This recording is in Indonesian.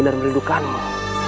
untuk semua orang yang menonton